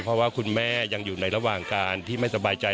เพราะว่าคุณแม่ยังอยู่ในระหว่างการที่ไม่สบายใจ